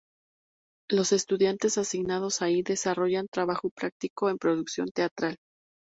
Los estudiantes asignados allí desarrollan trabajo práctico en producción teatral.